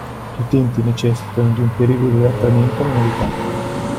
Gli utenti necessitano di un periodo di adattamento alle novità.